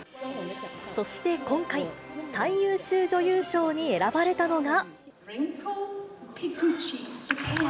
そして今回、最優秀女優賞に選ばれたのが。